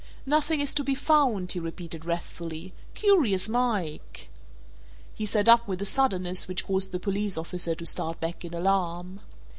"Nothing is to be found!" he repeated wrathfully. "Curious Mike!" He sat up with a suddenness which caused the police officer to start back in alarm.